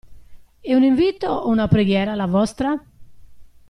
È un invito o una preghiera, la vostra?